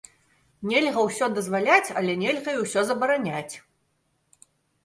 Нельга ўсё дазваляць, але нельга і ўсё забараняць.